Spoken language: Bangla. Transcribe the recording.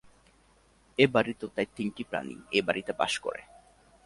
এ বাড়িতেও তাই তিনটি প্রাণী এ বাড়িতে বাস করে।